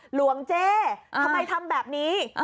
หลวงเจ๊ทำไมทำแบบนี้